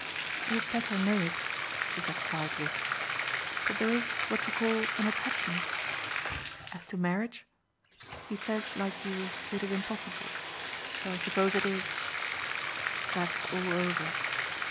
"You'd better know it," she said quietly, "but there is what you call an attachment. As to marriage he says like you it is impossible so I suppose it is. That's all over."